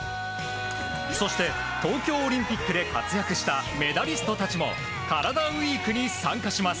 そして、東京オリンピックで活躍したメダリストたちもカラダＷＥＥＫに参加します。